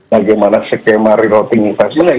bagaimana skema re routing investment